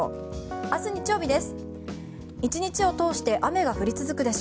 明日、日曜日です。